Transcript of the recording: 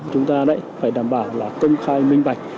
chúng ta lại phải đảm bảo là công khai minh bạch